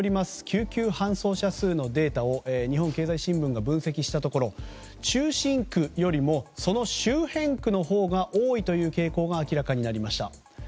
救急搬送者数のデータを日本経済新聞が分析したところ中心区よりもその周辺区のほうが多いという傾向が明らかになりました。